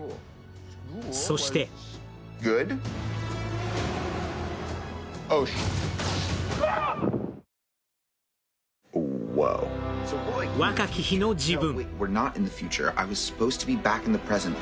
そして若き日の自分。